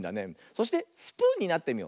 そしてスプーンになってみよう。